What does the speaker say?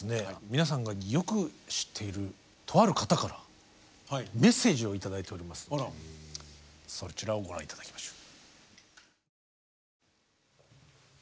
皆さんがよく知っているとある方からメッセージを頂いておりますのでそちらをご覧頂きましょう。